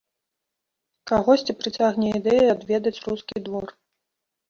Кагосьці прыцягне ідэя адведаць рускі двор.